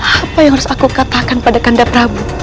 apa yang harus aku katakan pada kanda prabu